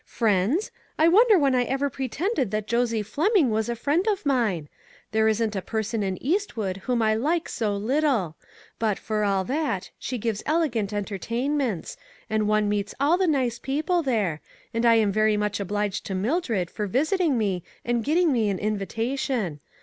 Friends? I wonder when I ever pretended that Josie Fleming was a friend of mine ? There isn't a per son in Eastwood whom I like so little ; but for all that, she gives elegant entertainments, and one meets all the nice people there, and I am very much obliged to Mildred for visiting me and getting me an invitation.